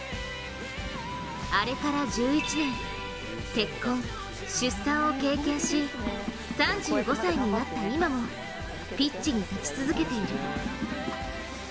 あれから１１年、結婚、出産を経験し３５歳になった今もピッチに立ち続けている。